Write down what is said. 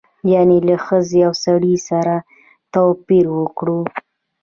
یعنې له ښځې او سړي سره توپیر وکړو.